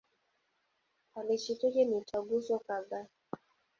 Alishiriki mitaguso kadhaa.